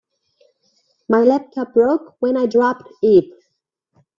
My laptop broke when I dropped it.